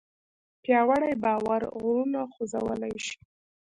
پیاوړی باور غرونه خوځولی شي.